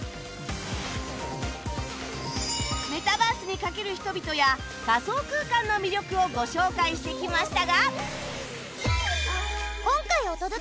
メタバースに懸ける人々や仮想空間の魅力をご紹介してきましたが